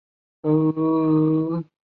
找到散发出的香甜水果味！